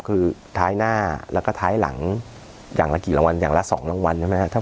คือท้ายหน้าแล้วก็ท้ายหลังอย่างละกี่รางวัลอย่างละ๒รางวัลใช่ไหมครับ